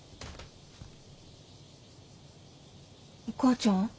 お母ちゃん？